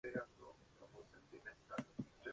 Estudió especialmente las algas de agua dulce y las setas.